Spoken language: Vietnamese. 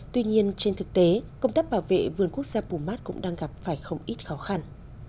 tuy nhiên trên thực tế công tác bảo vệ vườn quốc gia pumat cũng đang gặp phải không ít khó khăn